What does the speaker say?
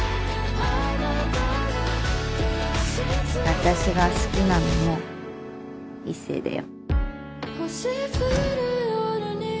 私が好きなのも一星だよ。